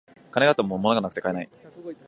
金があっても物がなくて買えない